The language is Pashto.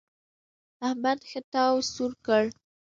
احمد ښه تاو سوړ کړ.